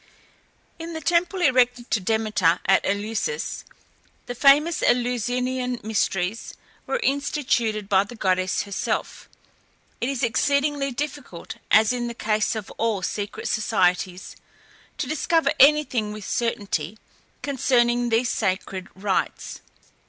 In the temple erected to Demeter at Eleusis, the famous Eleusinian Mysteries were instituted by the goddess herself. It is exceedingly difficult, as in the case of all secret societies, to discover anything with certainty concerning these sacred rites.